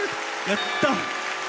やった！